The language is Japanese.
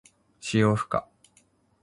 使用不可。